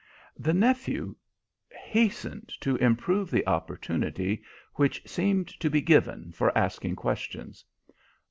The nephew hastened to improve the opportunity which seemed to be given for asking questions.